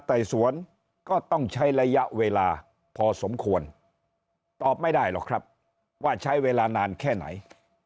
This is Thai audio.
ไต่สวนก็ต้องใช้ระยะเวลาพอสมควรตอบไม่ได้หรอกครับว่าใช้เวลานานแค่ไหน